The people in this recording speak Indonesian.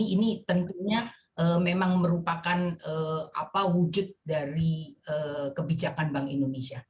ini tentunya memang merupakan wujud dari kebijakan bank indonesia